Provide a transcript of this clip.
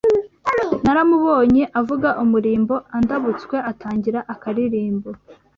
Naramubonye avuga umurimbo Andabutswe atangira akaririmbo